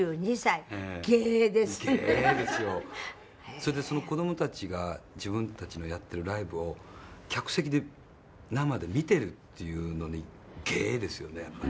それで、その子供たちが自分たちのやってるライブを客席で生で見てるっていうのにゲッ！ですよね、やっぱり。